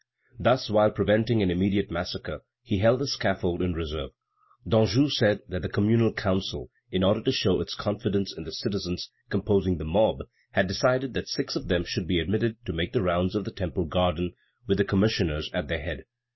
Thus, while preventing an immediate massacre, he held the scaffold in reserve. Danjou said that the Communal Council, in order to show its confidence in the citizens composing the mob, had decided that six of them should be admitted to make the rounds of the Temple garden, with the commissioners at their head.